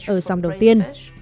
ở dòng đầu tiên